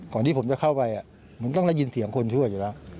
ที่ผมจะเข้าไปมันต้องได้ยินเสียงคนช่วยอยู่แล้ว